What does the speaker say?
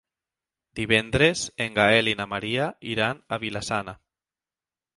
Divendres en Gaël i na Maria iran a Vila-sana.